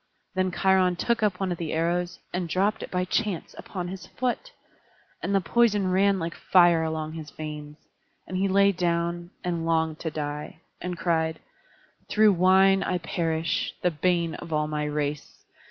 Then Cheiron took up one of the arrows, and dropped it by chance upon his foot; and the poison ran like fire along his veins, and he lay down, and longed to die; and cried: "Through wine I perish, the bane of all my race.